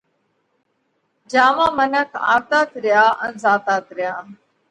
جيا مانه منک آوَتات ريا ان زاتات ريا۔